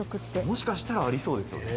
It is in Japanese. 「もしかしたらありそうですよね」